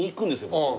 僕。